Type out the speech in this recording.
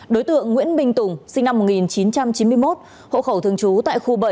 đối tượng nguyễn minh tùng sinh năm một nghìn chín trăm chín mươi một hộ khẩu thường trú tại khu bảy